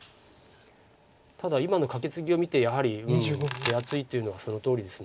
ただ今のカケツギを見てやはり手厚いというのはそのとおりです。